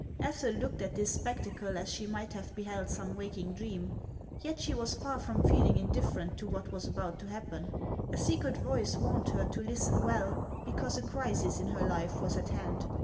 Ethel looked at this spectacle as she might have beheld some waking dream ; yet she was far from feeling indif ferent to what was about to happen. A secret voice warned her to listen well, because a crisis in her life was at hand.